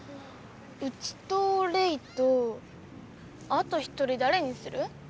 うちとレイとあと一人だれにする？